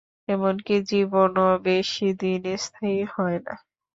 এমনকি জীবনও বেশিদিন স্থায়ী হয় না।